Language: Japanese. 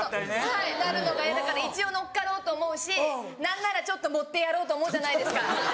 はいなるのが嫌だから一応乗っかろうと思うし何ならちょっと盛ってやろうと思うじゃないですか。